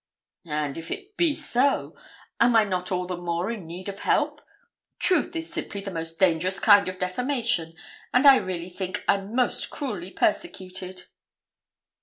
'And if it be so, am I not all the more in need of help? Truth is simply the most dangerous kind of defamation, and I really think I'm most cruelly persecuted.'